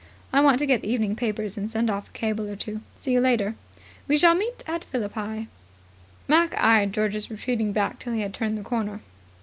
"I want to get the evening papers and send off a cable or two. See you later." "We shall meet at Philippi." Mac eyed George's retreating back till he had turned the corner.